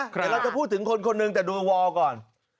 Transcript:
เดี๋ยวเราจะพูดถึงคนคนหนึ่งแต่ดูวอลก่อน